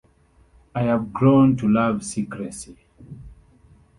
I have grown to love secrecy.